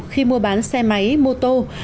khi mua bán xe máy mô tô